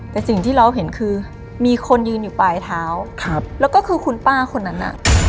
แต่สิ่งที่เราเห็นคือมีคนยืนอยู่ปลายเท้าครับแล้วก็คือคุณป้าคนนั้นน่ะ